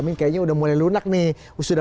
kita harus mencoba